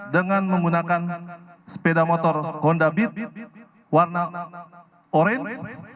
dengan menggunakan sepeda motor honda bit warna orange